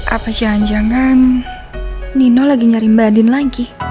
apa jangan jangan nino lagi nyari mbak din lagi